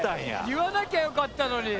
言わなきゃよかったのに。